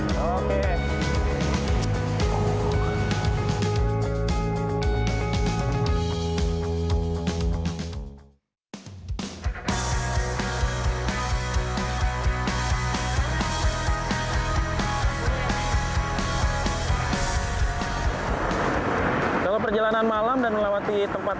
korespondensi cnn indonesia